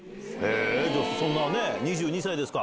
じゃあ、そんなね、２２歳ですか。